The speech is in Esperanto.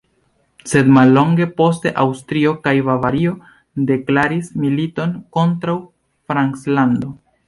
Sed mallonge poste Aŭstrio kaj Bavario deklaris militon kontraŭ Franclando.